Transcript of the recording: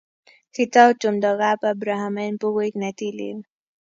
Kitau tumndo Kap Abraham eng' pukuit ne tilil.